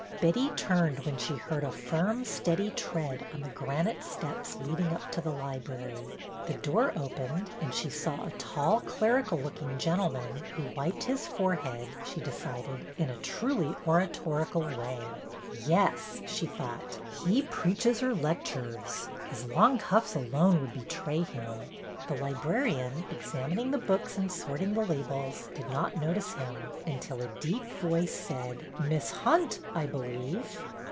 Betty turned when she heard a firm, steady tread on the granite steps leading up to the library. The door opened, and she saw a tall clerical looking gentleman, who wiped his fore head, she decided, in a truly oratorical way. Yes, she thought, he preaches or lectures; his long cuffs alone would betray him. The librarian, examining the books and sort ing the labels, did not notice him, until a deep voice said: Miss Hunt, I believe."